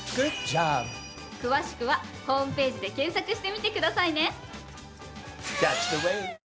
詳しくはホームページで検索してみてくださいね！